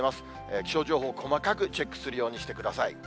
気象情報、細かくチェックするようにしてください。